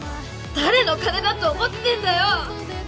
誰の金だと思ってんだよ！